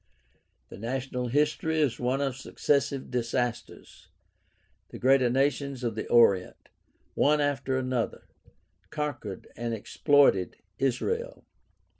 The national history is one of successive disasters. The greater nations of the Orient, one after another, conquered and exploited Israel.